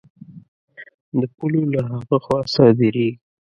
د پولو له هغه خوا صادرېږي.